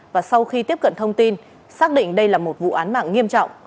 và sau khi tiếp cận thông tin xác định đây là một vụ án mạng nghiêm trọng